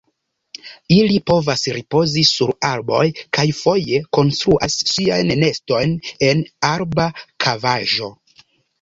Ili povas ripozi sur arboj kaj foje konstruas siajn nestojn en arba kavaĵo.